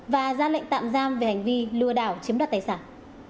và ra lệnh tạm giam về hành vi lừa đảo chiếm đoạt tài sản